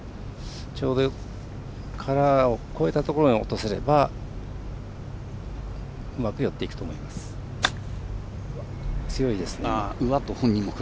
ちょうど、カラーを越えたところに落とせればうまく寄っていくと思います。